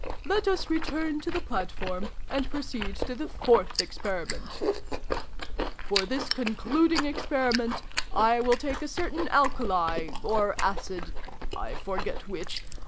" Let us return to the platform, and proceed to the Fourth Experiment !"" For this concluding Experiment, I will take a certain Alkali, or Acid 1 forget which.